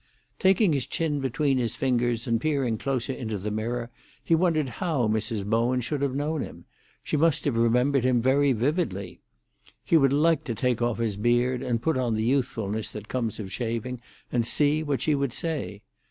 Taking his chin between his fingers, and peering closer into the mirror, he wondered how Mrs. Bowen should have known him; she must have remembered him very vividly. He would like to take off his beard and put on the youthfulness that comes of shaving, and see what she would say.